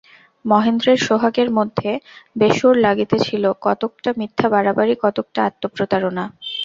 মহেন্দ্রের সোহাগের মধ্যে বেসুর লাগিতেছিল–কতকটা মিথ্যা বাড়াবাড়ি, কতকটা আত্মপ্রতারণা।